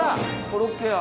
コロッケや。